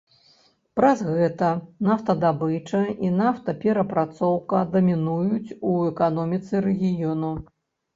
Праз гэта нафтаздабыча і нафтаперапрацоўка дамінуюць у эканоміцы рэгіёну.